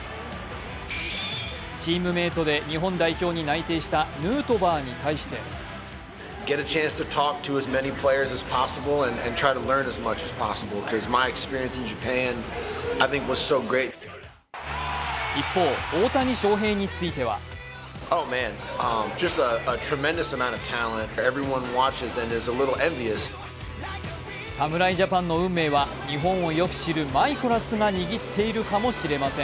チームメートで日本代表に内定したヌートバーに対して一方、大谷翔平については侍ジャパンの運命は日本をよく知るマイコラスが握っているかもしれません。